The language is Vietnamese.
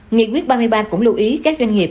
nghị quyết ba mươi ba cũng lưu ý các doanh nghiệp